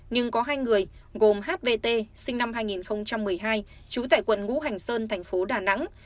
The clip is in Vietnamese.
nhưng có hai người gồm h v t sinh năm hai nghìn một mươi hai trú tại quận ngũ hành sơn thành phố đà nẵng